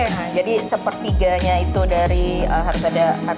nah jadi sepertiganya itu dari harus ada kaya kaya itu ya